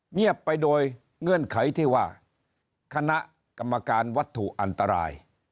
เงียบไปโดยเงื่อนไขที่ว่าคณะกรรมการวัตถุอันตราย